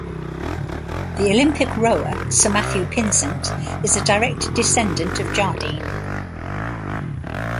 The Olympic rower Sir Matthew Pinsent is a direct descendant of Jardine.